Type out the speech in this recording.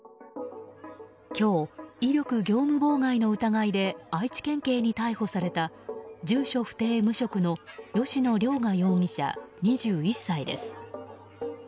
今日、威力業務妨害の疑いで愛知県警に逮捕された住所不定・無職の吉野凌雅容疑者、２１歳です。